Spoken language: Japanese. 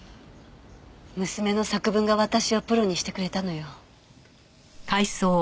娘の作文が私をプロにしてくれたのよ。